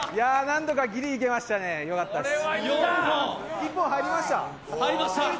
なんとかギリいけましたね、よかったです。